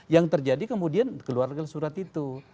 yang terjadi kemudian keluarkan surat itu